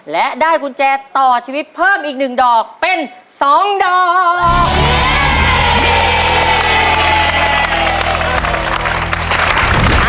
และได้กุญแจต่อชีวิตเพิ่มอีก๑ดอกเป็น๒ดอก